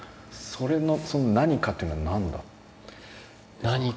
その何かというのは何だった？